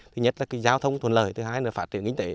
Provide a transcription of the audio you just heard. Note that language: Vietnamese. thứ nhất là giao thông thuận lợi thứ hai là phát triển kinh tế